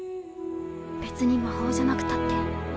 別に魔法じゃなくたって。